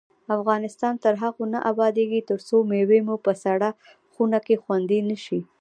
افغانستان تر هغو نه ابادیږي، ترڅو مېوې مو په سړه خونه کې خوندي نشي.